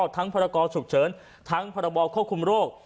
ทั้งภรรกอศูกเฉินทั้งภรรบอโครคคลุมโรค